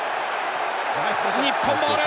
日本ボール！